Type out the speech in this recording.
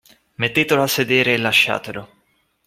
“Mettetelo a sedere e lasciatelo.